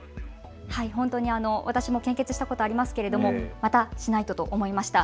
私も献血したことありますがまたしないとと思いました。